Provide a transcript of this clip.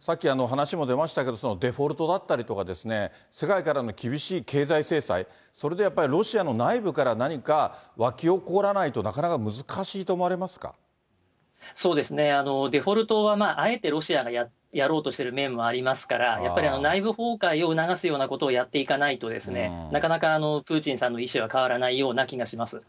さっき話も出ましたけど、デフォルトだったりとかですね、世界からの厳しい経済制裁、それとやっぱりロシアの内部から何か湧き起らないと、なかなか難そうですね、デフォルトは、あえてロシアがやろうとしている面もありますから、やっぱり内部崩壊を促すようなことをやっていかないと、なかなかプーチンさんの意思は変わらないような気がします。